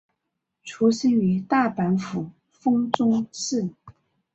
出身于大阪府丰中市。